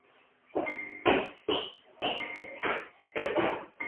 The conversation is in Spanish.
Se graduó de Literatura y Lenguas del Colegio de Reikiavik.